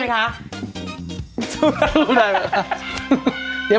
สู้ได้ไหมคะ